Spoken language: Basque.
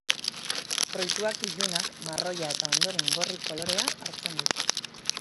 Fruituak ilunak, marroia eta ondoren gorri kolorea hartzen dute.